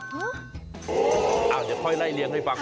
อ้ะเดี๋ยวเฮ้ยไล่เรียงให้ฟัง